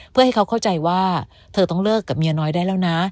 เพื่อให้เขาเข้าใจว่าเธอต้องเลิกกับเมียน้อยได้แล้วนะ